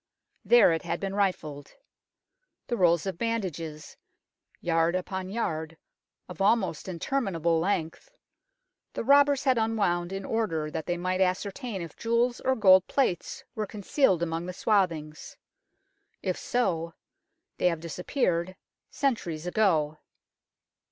There it had been rifled. The rolls of bandages, yard upon yard of almost inter minable length, the robbers had unwound in order that they might ascertain if jewels or gold plates were concealed among the swathings. If so, they have disappeared centuries ago.